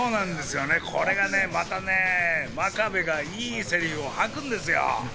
これがまた、真壁がいいセリフを吐くんですよ。